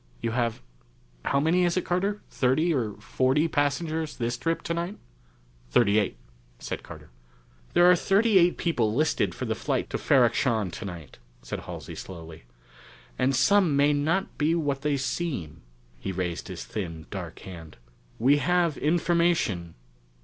You have how many is it, Carter? thirty or forty passengers this trip tonight?" "Thirty eight," said Carter. "There are thirty eight people listed for the flight to Ferrok Shahn tonight," Halsey said slowly. "And some may not be what they seem." He raised his thin dark hand. "We have information...."